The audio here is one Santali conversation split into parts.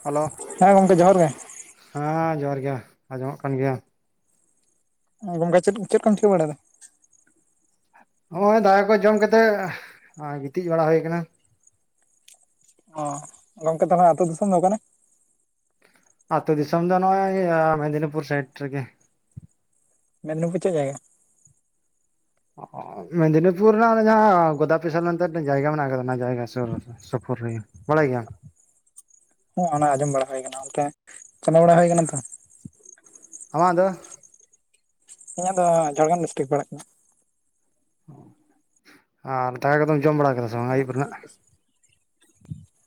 ᱦᱮᱞᱳ ᱦᱮᱸ ᱜᱚᱝᱠᱮ ᱡᱚᱦᱟᱨ ᱜᱮ ᱦᱮᱸ ᱡᱚᱦᱟᱨ ᱜᱮ ᱟᱸᱡᱚᱢᱚᱜ ᱠᱟᱱ ᱜᱮᱭᱟ ᱜᱚᱝᱠᱮ ᱪᱮᱫᱠᱚᱢ ᱴᱷᱤᱠᱟᱹ ᱵᱟᱲᱟᱭᱫᱟ ᱱᱚᱜᱼᱚᱭ ᱫᱟᱠᱟ ᱠᱚ ᱡᱚᱢ ᱠᱟᱛᱮᱜ ᱜᱤᱛᱤᱡ ᱵᱟᱲᱟ ᱦᱩᱭ ᱠᱟᱱᱟ ᱚ ᱜᱚᱢᱠᱮ ᱛᱟᱦᱚᱞᱮ ᱟᱹᱛᱩ ᱫᱤᱥᱚᱢ ᱫᱚ ᱚᱠᱟᱨᱮ ᱟᱹᱛᱩᱳ ᱫᱤᱥᱚᱢ ᱫᱚ ᱱᱚᱜᱼᱚᱭ ᱤᱭᱟᱹ ᱢᱮᱫᱽᱱᱤᱯᱩᱨ ᱥᱟᱭᱤᱰ ᱨᱮᱜᱮ ᱢᱮᱫᱽᱱᱤᱯᱩᱨ ᱪᱮᱫ ᱡᱟᱭᱜᱟ ᱢᱮᱫᱽᱱᱤᱯᱩᱨ ᱨᱮᱱᱟᱜ ᱜᱳᱚᱫᱟᱯᱤᱥᱚᱨ ᱱ ᱡᱟᱭᱜᱟ ᱢᱮᱱᱟᱜ ᱟᱠᱟᱫᱟ ᱚᱱᱟ ᱡᱟᱭᱜᱟ ᱥᱩᱨ ᱥᱩᱯᱩᱨ ᱨᱮ ᱵᱟᱲᱟᱭ ᱜᱮᱭᱟᱢ ᱚᱱᱟ ᱟᱸᱡᱚᱢ ᱵᱟᱲᱟ ᱦᱩᱭ ᱠᱟᱱᱟ ᱚᱱᱛᱮ ᱪᱟᱞᱟᱣ ᱵᱟᱲᱟ ᱦᱩᱭ ᱠᱟᱱᱟ ᱛᱚ ᱟᱢᱟᱜ ᱫᱚ ᱤᱧᱟᱹᱜ ᱫᱚ ᱡᱷᱟᱲᱜᱨᱟᱢ ᱰᱤᱥᱴᱤᱠ ᱯᱟᱲᱟᱜ ᱠᱟᱱᱟ ᱟᱨ ᱫᱟᱠᱟ ᱠᱚᱫᱚᱢ ᱡᱚᱢ ᱵᱟᱲᱟ ᱠᱟᱫᱟ ᱥᱮ ᱵᱟᱝ ᱟᱹᱭᱩᱵ ᱨᱮᱱᱟᱜ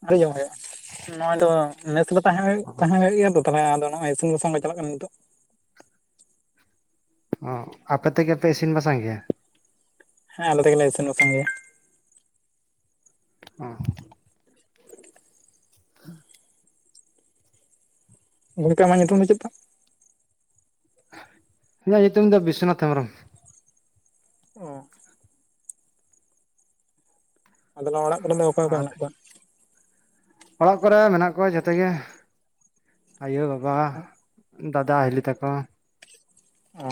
ᱟᱹᱰᱤ ᱡᱚᱢ ᱦᱩᱭᱩᱜᱼᱟ ᱱᱚᱣᱟ ᱫᱚ ᱢᱮᱥ ᱨᱮ ᱫᱚ ᱛᱟᱦᱮᱸ ᱛᱟᱦᱮᱸ ᱦᱩᱭᱩᱜ ᱜᱮᱭᱟ ᱛ ᱛᱟᱦᱚᱞᱮ ᱟᱫᱚ ᱱᱚᱜᱼᱚᱭ ᱤᱥᱤᱱ ᱵᱟᱥᱟᱝ ᱜᱮ ᱪᱟᱞᱟᱜ ᱠᱟᱱᱟ ᱱᱤᱛᱚᱜ ᱚ ᱟᱯᱮ ᱛᱮᱜᱮ ᱯᱮ ᱤᱥᱤᱱ ᱵᱟᱥᱟᱝ ᱜᱮᱭᱟ ᱦᱮᱸ ᱟᱞᱮ ᱛᱮᱜᱮᱞᱮ ᱤᱥᱤᱱ ᱥᱟᱥᱟᱝ ᱜᱮᱭᱟ ᱦᱚᱸ ᱦᱩᱸ ᱜᱚᱢᱠᱮ ᱟᱢᱟᱜ ᱧᱩᱛᱩᱢ ᱫᱚ ᱪᱮᱫ ᱛᱟᱢ ᱤᱧᱟᱹᱜ ᱧᱩᱛᱩᱢ ᱫᱚ ᱵᱤᱥᱥᱚᱱᱟᱛᱷ ᱦᱮᱢᱵᱨᱚᱢ ᱚ ᱟᱫᱚ ᱚᱲᱟᱜ ᱠᱚᱨᱮᱱ ᱫᱚ ᱚᱠᱟ ᱚᱠᱟ ᱟᱨ ᱢᱮᱱᱟᱜ ᱠᱚᱣᱟ ᱚᱲᱟᱜ ᱠᱚᱨᱮ ᱢᱮᱱᱟᱜ ᱠᱚᱣᱟ ᱡᱷᱚᱛᱚ ᱜᱮ ᱟᱭᱳᱼᱵᱟᱵᱟ ᱚ ᱫᱟᱫᱟ ᱦᱤᱞᱤ ᱛᱠᱚ ᱚ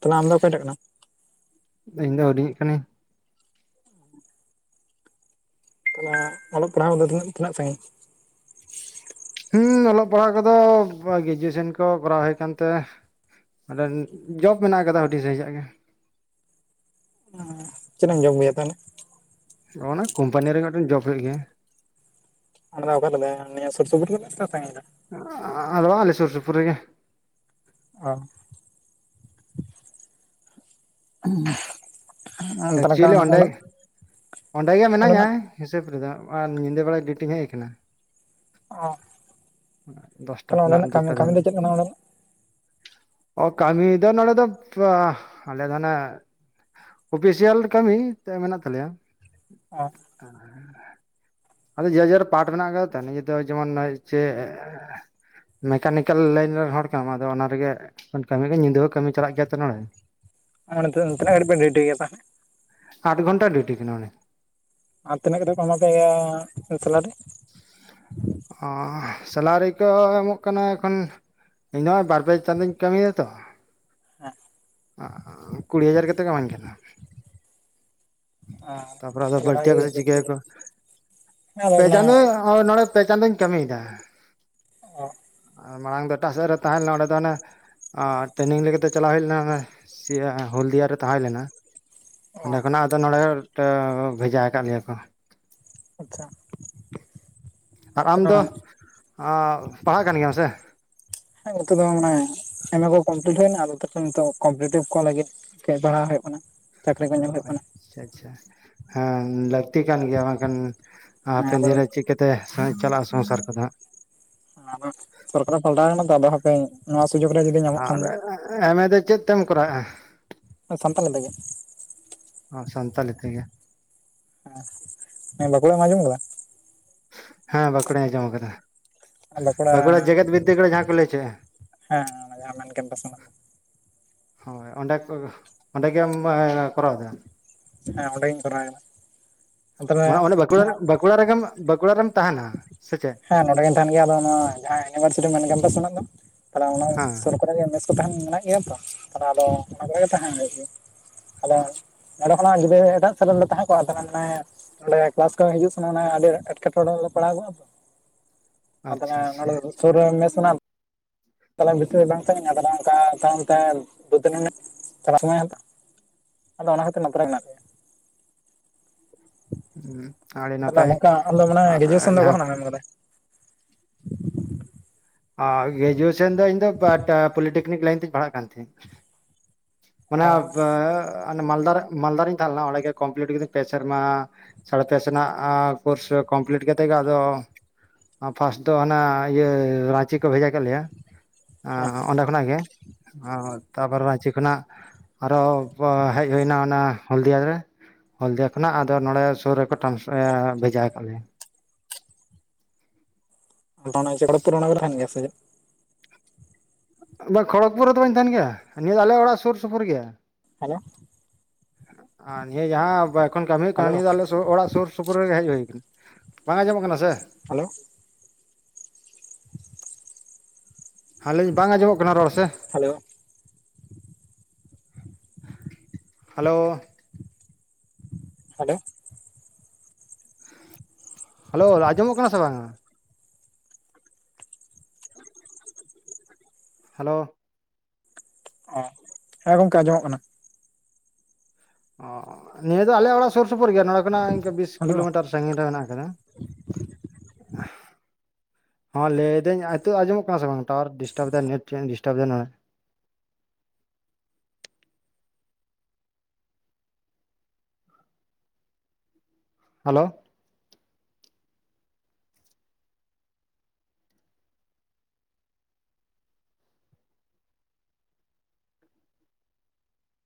ᱛᱟᱦᱞᱮ ᱟᱢ ᱫᱚ ᱚᱠᱚᱭᱴᱟᱜ ᱠᱟᱱᱟᱢ ᱤᱧ ᱫᱚ ᱦᱩᱰᱤᱧ ᱠᱟᱹᱱᱟᱹᱧ ᱛᱟᱦ ᱚᱞᱚᱜ ᱯᱟᱲᱦᱟᱣ ᱫᱚ ᱛᱤᱱᱟᱹᱜ ᱥᱟᱺᱜᱤᱧ ᱦᱮᱸ ᱚᱞᱚᱜ ᱯᱟᱲᱦᱟᱜ ᱠᱚᱫᱚ ᱜᱨᱮᱡᱩᱭᱮᱥᱚᱱ ᱠᱚ ᱠᱚᱨᱟᱣ ᱦᱩᱭ ᱠᱟᱱᱛᱮ ᱟᱫᱚ ᱡᱚᱵ ᱢᱮᱱᱟᱜ ᱠᱟᱫᱟ ᱟᱹᱰᱤ ᱡᱟᱭᱜᱟ ᱨᱮᱜᱮ ᱪᱮᱫ ᱮᱢ ᱡᱚᱢ ᱜᱮᱭᱟ ᱛᱚᱞᱮ ᱱᱚᱜᱼ ᱚᱱᱟ ᱠᱳᱢᱯᱟᱱᱤ ᱨᱮ ᱢᱤᱫᱴᱮᱱ ᱡᱚᱵ ᱦᱩᱭᱩᱜ ᱜᱮᱭᱟ ᱚᱱᱟᱫᱚ ᱚᱠᱟᱮᱮ ᱱᱤᱭᱟᱹ ᱥᱩᱨ ᱥᱩᱯᱩᱨ ᱜᱮᱞᱮ ᱪᱟᱝᱺᱟ [unintelligible] ᱟᱞᱣᱟ ᱟᱞᱮ ᱥᱩᱨ ᱥᱩᱯᱩᱨ ᱨᱮ ᱜᱮ ᱚ [unintelligible] ᱟ ᱛᱟᱞᱮᱠᱟ ᱮᱠᱪᱩᱭᱮᱞᱤ ᱚᱸᱰᱮ ᱚᱸᱰᱮ ᱜᱮ ᱢᱤᱱᱟᱧᱟ ᱦᱤᱥᱟᱹᱵ ᱨᱮᱫᱚ ᱟᱨ ᱧᱤᱫᱟᱹ ᱵᱮᱲᱟ ᱰᱤᱭᱩᱴᱤ ᱤᱧ ᱦᱮᱡ ᱟᱠᱟᱱᱟ ᱚ ᱫᱚᱥᱴᱟ ᱛᱟᱦᱞᱮ ᱠᱷᱚᱱᱟᱜ ᱚᱸᱰᱮᱱᱟᱜ ᱫᱩᱴᱟ ᱠᱟᱹᱢᱤ ᱫᱚ ᱫᱷᱟᱹᱵᱤᱡ ᱪᱮᱫ ᱠᱟᱱᱟ ᱚᱸᱰᱮᱱᱟᱜ ᱚ ᱠᱟᱹᱢᱤ ᱫᱚ ᱱᱚᱰᱮ ᱫᱚ ᱟᱞᱮ ᱫᱚ ᱚᱱᱮ ᱚᱯᱷᱤᱥᱤᱭᱟᱞ ᱠᱟᱹᱢᱤ ᱢᱮᱱᱟᱜ ᱛᱟᱞᱮᱭᱟ ᱟᱨ [unintelligible] ᱟᱫᱚ ᱡᱮ ᱡᱟᱨ ᱯᱟᱴ ᱢᱮᱱᱟᱜ ᱠᱟᱫᱟ ᱛᱚ ᱱᱤᱡᱮ ᱫᱚ ᱡᱮᱢᱚᱱ ᱱᱚᱼ ᱪᱮ ᱢᱮᱠᱟᱱᱤᱠᱮᱞ ᱞᱟᱭᱤᱱ ᱨᱮᱱ ᱦᱚᱲ ᱠᱟᱱᱟᱢ ᱟᱫᱚ ᱚᱱᱟ ᱨᱮᱜᱮ ᱠᱟᱹᱢᱤ ᱜᱮ ᱧᱤᱫᱟᱹ ᱦᱚᱸ ᱠᱟᱹᱢᱤ ᱪᱟᱞᱟᱜ ᱜᱮᱭᱟ ᱛᱚ ᱱᱚᱰᱮ ᱟᱨ ᱛᱤᱱᱟᱹᱜᱷᱟᱹᱲᱤᱡ ᱵᱮᱱ ᱨᱮᱰᱤ ᱜᱮᱭᱟ ᱛᱟᱦᱚᱞᱮ ᱟᱴ ᱜᱷᱚᱱᱴᱟ ᱰᱤᱭᱩᱴᱤ ᱠᱟᱱᱟ ᱟᱨ ᱛᱤᱱᱟᱹᱜ ᱠᱟᱛᱮ ᱠᱚ ᱮᱢᱟ ᱯᱮᱭᱟ ᱥᱮᱞᱟᱨᱮ ᱚ ᱥᱮᱞᱟᱨᱤ ᱠᱚ ᱮᱢᱚᱜ ᱠᱟᱱᱟ ᱮᱠᱷᱚᱱ ᱤᱧ ᱱᱚᱜᱚᱭ ᱵᱟᱨ ᱯᱡᱮ ᱪᱟᱸᱫᱳ ᱠᱟᱹᱢᱤᱭ ᱫᱟᱛᱚ ᱦᱮᱸ ᱠᱩᱲᱤ ᱦᱟᱡᱟᱨ ᱠᱟᱛᱮᱫ ᱠᱚ ᱤᱢᱢᱟᱧ ᱠᱟᱱᱟ ᱛᱟᱨᱯᱚᱨᱮ ᱟᱫᱚ ᱛᱟᱦᱚᱞᱮ ᱵᱟᱹᱲᱛᱤ ᱵᱷᱟᱜᱮ ᱟᱹᱠᱚ ᱥᱮ ᱪᱤᱠᱟᱹᱠᱚ ᱜᱮ ᱠᱚ ᱟᱫᱚ ᱯᱮ ᱢᱟᱱᱮ ᱪᱟᱸᱫᱚ ᱱᱚᱰᱮ ᱯᱮ ᱪᱟᱸᱫᱚ ᱤᱧ ᱠᱟᱹᱢᱤᱭᱮᱫᱟ ᱚ ᱟᱨ ᱢᱟᱲᱟᱝ ᱫᱚ ᱮᱴᱟᱥᱮᱫ ᱨᱮ ᱛᱟᱦᱮᱸ ᱞᱮᱱᱟ ᱚᱸᱰᱮ ᱫᱚ ᱚᱱᱮ ᱟᱨ ᱴᱨᱮᱱᱤᱝ ᱞᱮᱠᱟᱛᱮ ᱪᱟᱞᱟᱣ ᱦᱩᱭ ᱞᱮᱱᱟ ᱦᱳᱞᱫᱤᱭᱟ ᱛᱟᱦᱮᱸ ᱞᱮᱱᱟ ᱚ ᱚᱸᱰᱮ ᱠᱷᱚᱱᱟᱜ ᱟᱫᱚ ᱱᱚᱰᱮ ᱵᱷᱮᱡᱟ ᱠᱟᱜ ᱞᱮᱭᱟ ᱠᱚ ᱟᱪᱪᱷᱟ ᱟᱨ ᱟᱢ ᱫᱚ ᱛᱟᱦᱚᱞᱮ ᱯᱟᱲᱦᱟᱜ ᱠᱟᱱ ᱜᱮᱭᱟᱢ ᱥᱮ ᱦᱮᱸ ᱱᱠᱩ ᱫᱚ ᱢᱟᱱᱮ [unintelligible] ᱮᱢᱮ ᱠᱚ ᱠᱚᱢᱯᱤᱞᱤᱴ ᱦᱩᱭᱱᱟ ᱟᱫᱚ ᱛᱚᱠᱷᱚᱱ ᱱᱤᱛᱚᱜ ᱠᱚᱢᱯᱤᱴᱤᱵ ᱠᱚ ᱞᱟᱹᱜᱤᱫ ᱯᱟᱲᱦᱟᱣ ᱦᱩᱭᱩᱜ ᱠᱟᱱᱟ ᱪᱟᱹᱠᱨᱤ ᱠᱚ ᱧᱮᱞ ᱦᱩᱭᱩᱜ ᱠᱟᱱᱟ ᱟᱪᱪᱷᱟ ᱟᱪᱪᱷᱟ ᱦᱮᱸ ᱞᱟᱹᱠᱛᱤ ᱠᱟᱱ ᱜᱮᱭᱟ ᱵᱟᱝᱠᱷᱟᱱ ᱦᱮᱸ ᱦᱟᱯᱮᱱ ᱟᱫᱚ ᱫᱤᱱᱨᱮ ᱪᱤᱠᱟᱹᱛᱮ ᱪᱟᱞᱟᱜᱼᱟ ᱥᱚᱝᱥᱟᱨ ᱠᱚᱫᱚ ᱦᱟᱸᱜ ᱥᱚᱨᱠᱟᱨ ᱮ ᱯᱟᱞᱴᱟᱣ ᱠᱟᱱᱟ ᱛᱚ ᱟᱫᱚ ᱦᱟᱯᱤᱧ ᱱᱚᱣᱟ ᱥᱩᱡᱳᱜᱽ ᱨᱮ ᱡᱩᱫᱤ ᱧᱟᱢᱚᱜ ᱠᱷᱟᱱ ᱟᱨ ᱫᱚ ᱮᱢᱮ ᱫᱚ ᱪᱮᱫ ᱛᱮᱢ ᱠᱚᱨᱟᱜᱼᱟ ᱥᱟᱱᱛᱟᱞᱤ ᱛᱮ ᱜᱮ ᱚ ᱥᱟᱱᱛᱟᱞᱤ ᱛᱮᱜᱮ ᱵᱟᱸᱠᱩᱲᱟ ᱮᱢ ᱟᱸᱡᱚᱢ ᱟᱠᱟᱫᱟ ᱦᱮᱸ ᱵᱟᱸᱠᱩᱲᱟᱧ ᱟᱸᱡᱚᱢ ᱟᱠᱟᱫᱟ ᱵᱟᱸᱠᱩᱲᱟ ᱡᱮᱜᱮᱛ ᱵᱤᱫᱽᱫᱟᱹᱜᱟᱲ ᱡᱟᱦᱟᱸ ᱠᱚ ᱞᱟᱹᱭ ᱪᱚᱭᱫᱟ ᱦᱮᱸ ᱚᱱᱟ ᱡᱟᱦᱟᱸ ᱢᱮᱱ ᱠᱮᱢᱯᱟᱥ ᱢᱮᱱᱟᱜ ᱫᱚ ᱦᱳᱭ ᱚᱸᱰᱮ ᱚᱸᱰᱮ ᱜᱮᱢ ᱠᱚᱨᱟᱣᱮᱫᱟ ᱦᱮᱸ ᱚᱱᱰᱮ ᱜᱤᱧ ᱠᱚᱨᱟᱣ ᱠᱮᱫᱟ ᱢᱟᱱᱮ ᱚᱱᱮ ᱵᱟᱸᱠᱩᱲᱟ ᱵᱟᱸᱠᱩᱲᱟ ᱨᱮᱜᱮ ᱵᱟᱸᱠᱩᱲᱟ ᱨᱮᱢ ᱛᱟᱦᱮᱱᱟ ᱥᱮ ᱪᱮᱫ ᱦᱮᱸ ᱱᱚᱸᱰᱮ ᱜᱤᱧ ᱛᱟᱦᱮᱱ ᱜᱮᱭᱟ ᱟᱫᱚ ᱡᱟᱦᱟᱸ ᱤᱭᱩᱱᱤᱵᱷᱟᱨᱥᱤᱴᱤ ᱢᱮᱱ ᱠᱮᱢᱯ ᱥᱮᱱᱟᱜ ᱫᱚ ᱛᱟᱦᱮ ᱚᱱᱟ ᱦᱮᱸ ᱥᱩᱨ ᱠᱚᱨᱮ ᱜᱮ ᱢᱮᱥ ᱛᱟᱦᱮᱱ ᱢᱮᱱᱟᱜ ᱜᱮᱭᱟ ᱛᱚ ᱛᱟᱦᱚᱞᱮ ᱟᱫᱚ ᱚᱱᱟᱠᱚᱨᱮ ᱛᱟᱦᱮᱱ ᱦᱩᱭᱩᱜ ᱜᱮ ᱟᱫᱚ ᱱᱚᱸᱰᱮ ᱠᱷᱚᱱᱟᱜ ᱡᱩᱫᱤ ᱮᱴᱟᱜ ᱥᱮᱫ ᱨᱮᱞᱮ ᱛᱟᱦᱮᱸ ᱠᱚᱜᱼᱟ ᱛᱟᱦᱚᱞᱮ ᱢᱟᱱᱮ ᱱᱚᱸᱰᱮ ᱠᱞᱟᱥ ᱠᱚ ᱦᱤᱡᱩᱜ ᱥᱮᱱᱚᱜᱮ ᱟᱞᱮ ᱮᱴᱠᱮᱴᱚᱬᱮ ᱨᱮᱞᱮ ᱯᱟᱲᱟᱣ ᱠᱚᱜᱼᱟ ᱛᱚ ᱟᱫᱚ ᱟᱪᱪᱷᱟ ᱟᱪᱪᱷᱟ ᱱᱚ ᱥᱩᱨᱮ ᱢᱮᱥᱱᱟ ᱛᱟᱦᱚᱞᱮ ᱵᱮᱥᱤ ᱵᱟᱝ ᱥᱟᱹᱜᱤᱧᱟ ᱛᱟᱦᱮ ᱚᱱᱠᱟ ᱛᱟᱭᱚᱢ ᱛᱮ [unintelligible] ᱟᱫᱚ ᱚᱱᱟ ᱠᱷᱟᱹᱛᱤᱨ ᱱᱛᱮᱨᱮ ᱢᱮᱱᱟᱜ ᱛᱟᱭᱤᱭᱟ ᱟᱹᱰᱤ ᱛᱟᱦᱞᱮ ᱱᱟᱯᱟᱭ ᱱᱚᱝᱠᱟ ᱟᱢ ᱫᱚ ᱢᱟᱱᱮ ᱟᱨ ᱜᱨᱮᱡᱩᱭᱮᱥᱚᱱ ᱫᱚ ᱚᱠᱟ ᱡᱟᱦᱟᱸ ᱠᱷᱚᱱᱮᱢ ᱮᱢ ᱠᱟᱫᱟ [unintelligible] ᱚ ᱜᱨᱮᱡᱩᱭᱮᱥᱚᱱ ᱫᱚ ᱤᱧ ᱫᱚ ᱵᱟᱢ ᱯᱚᱞᱤᱴᱮᱠᱱᱤᱠ ᱞᱟᱭᱤᱱ ᱛᱤᱧ ᱯᱟᱲᱦᱟᱜ ᱠᱟᱱ ᱛᱟᱦᱮᱸᱱ ᱢᱟᱱᱮ ᱚ [unintelligible] ᱢᱟᱞᱫᱟ ᱢᱟᱞᱫᱟᱟᱨᱤᱧ ᱛᱟᱦᱮᱸ ᱞᱮᱱᱟ ᱚᱸᱰᱮ ᱜᱮ ᱠᱚᱢᱯᱞᱤᱤᱴ ᱠᱤᱫᱟᱹᱧ ᱯᱮ ᱥᱮᱨᱢᱟ ᱥᱟᱲᱮ ᱯᱮ ᱥᱮᱱᱟᱜ ᱠᱳᱨᱥ ᱠᱚᱢᱯᱞᱤᱴ ᱠᱟᱛᱮ ᱜᱮ ᱟᱫᱚ ᱯᱷᱟᱥᱴ ᱫᱚ ᱚᱱᱟ ᱤᱭᱟᱹ ᱠᱚ ᱵᱷᱮᱡᱟ ᱠᱮᱫ ᱞᱮᱭᱟ ᱦᱮᱸ ᱚᱸᱰᱮ ᱠᱷᱚᱱᱟᱜ ᱜᱮ ᱛᱟᱯᱚᱨ ᱨᱺᱪᱤ ᱠᱷᱚᱱᱟᱜ ᱟᱨᱚ ᱦᱮᱡ ᱦᱩᱭ ᱮᱱᱟ ᱚᱱᱟ ᱦᱞᱫᱤᱭᱟ ᱨᱮ ᱦᱞᱫᱤᱭᱟ ᱠᱷᱚᱱᱟᱜᱫᱚ ᱱᱚᱲᱮ ᱥᱩᱨ ᱨᱮᱠᱚ ᱴᱟᱱᱥ ᱮ ᱵᱷᱮᱡᱟ ᱟᱠᱟᱫ ᱢᱮᱭᱟ ᱟᱫ ᱚᱱᱟ ᱪᱮ ᱠᱲᱡᱯᱩᱨ ᱟᱹᱚᱱ ᱠᱚᱨᱮ ᱛᱟᱦᱮᱱ ᱜᱮᱭᱟ ᱥᱮ ᱵᱟ ᱠᱷᱚᱲᱚᱜᱯᱩᱨ ᱨᱮᱫᱚ ᱵᱟᱹᱧ ᱛᱟᱦᱮᱱ ᱜᱮᱭᱟ ᱱᱤᱭᱟᱹ ᱫᱚ ᱟᱞᱮ ᱚᱲᱟᱜ ᱥᱩᱨ ᱥᱩᱯᱩᱨ ᱜᱮᱭᱟ [unintelligible] ᱟᱨ ᱱᱤᱭᱟᱹ ᱡᱟᱦᱟᱸ ᱮᱠᱷᱚᱱ ᱠᱟᱹᱢᱤ ᱦᱩᱭᱩᱜ ᱠᱟᱱᱟ ᱦᱮᱞᱳ ᱱᱤᱭᱟᱹ ᱫᱚ ᱟᱞᱮ ᱚᱲᱟᱜ ᱥᱩᱨ ᱥᱩᱯᱩᱨ ᱨᱮᱜᱮ ᱦᱮᱡ ᱦᱩᱭ ᱠᱟᱱᱟ ᱵᱟᱝ ᱟᱸᱡᱚᱢᱚᱜ ᱠᱟᱱᱟ ᱥᱮ ᱦᱮᱞᱳ ᱦᱮᱸ ᱟᱹᱞᱤᱧ ᱵᱟᱝ ᱟᱸᱡᱚᱢᱚᱜ ᱠᱟᱱᱟ ᱨᱚᱲ ᱥᱮ ᱦᱮᱞᱳ ᱦᱮᱞᱳ ᱦᱟᱞᱳ ᱦᱮᱞᱳ ᱨᱟᱡᱚᱢ ᱠᱟᱱᱟ ᱥᱮ ᱵᱟᱝᱼᱟ ᱦᱮᱞᱳ ᱦᱮᱸ ᱜᱚᱝᱠᱮ ᱟᱸᱡᱚᱢᱚᱜ ᱠᱟᱱᱟ ᱚ ᱱᱤᱭᱟᱹ ᱫᱚ ᱟᱞᱮ ᱚᱲᱟᱜ ᱥᱩᱨ ᱥᱩᱯᱩᱨ ᱜᱮᱭᱟ ᱱᱚᱸᱰᱮ ᱠᱷᱚᱱᱟᱜ ᱵᱤᱥ ᱦᱮᱞᱳ ᱠᱤᱞᱳᱢᱤᱴᱟᱨ ᱥᱟᱺᱜᱤᱧ ᱨᱮ ᱢᱮᱱᱟᱜ ᱠᱟᱫᱟ ᱦᱚᱸ ᱞᱟᱹᱭᱫᱟᱹᱧ ᱱᱤᱛᱳ ᱟᱸᱡᱚᱢᱚᱜ ᱠᱟᱱᱟ ᱥᱮ ᱵᱟᱝ ᱴᱟᱣᱟᱨ ᱰᱤᱥᱴᱟᱵ ᱫᱟ ᱱᱮ [unintelligible] ᱦᱟᱞᱚ